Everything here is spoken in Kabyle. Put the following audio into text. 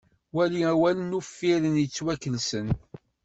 Wali awalen uffiren yettwakelsen.